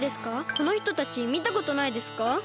このひとたちみたことないですか？